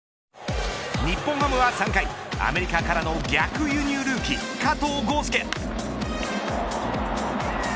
日本ハムは３回アメリカからの逆輸入ルーキー加藤豪将。